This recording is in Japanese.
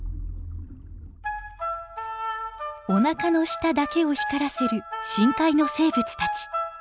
おなかの下だけを光らせる深海の生物たち。